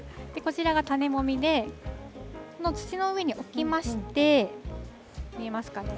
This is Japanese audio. こちらが種もみで、土の上に置きまして、見えますかね。